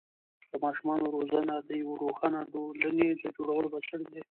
د ماشومانو روزنه د یوې روښانه ټولنې د جوړولو بنسټ دی.